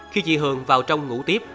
khi chị hường vào trong ngủ tiếp